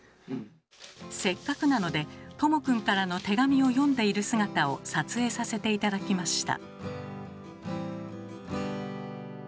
せっかくなのでとも君からの手紙を読んでいる姿を撮影させて頂きました。